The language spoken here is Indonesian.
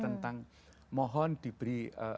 tentang mohon diberi